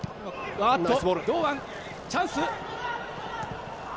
堂安、チャンス。